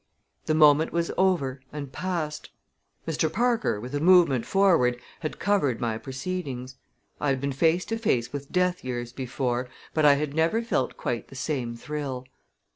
The moment was over and passed. Mr. Parker, with a movement forward, had covered my proceedings. I had been face to face with death years before, but I had never felt quite the same thrill.